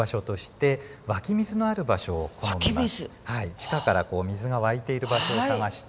地下からこう水が湧いている場所を探して。